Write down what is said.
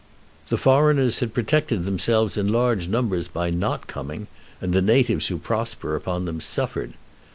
The foreigners had protected themselves in large numbers by not coming, and the natives who prosper upon them suffered.